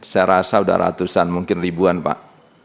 saya rasa sudah ratusan mungkin ribuan pak